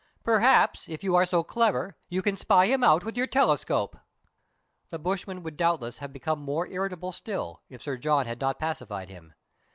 Perhaps if you are so clever, you can spy him out with your telescope." The bushman would doubtless have become more irri table still, if Sir John had not pacified him.